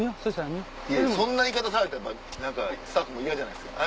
そんな言い方されたらスタッフも嫌じゃないですか。